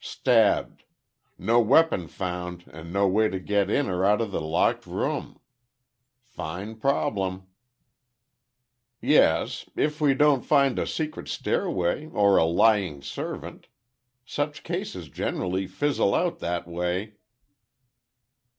"Stabbed. No weapon found and no way to get in or out of the locked room. Fine problem." "Yes—if we don't find a secret stairway—or, a lying servant. Such cases generally fizzle out that way."